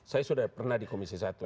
saya sudah pernah di komisi satu